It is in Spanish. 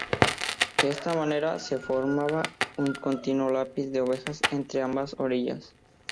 De esta manera, se formaba un continuo tapiz de ovejas entre ambas orillas.